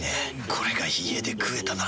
これが家で食えたなら。